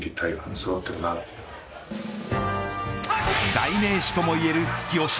代名詞ともいえる突き押し